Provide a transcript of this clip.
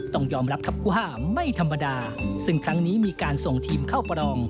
ต้องยอมรับครับผู้ห้าไม่ธรรมดาซึ่งครั้งนี้มีการส่งทีมเข้าประลอง